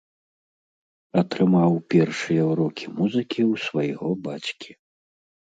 Атрымаў першыя ўрокі музыкі ў свайго бацькі.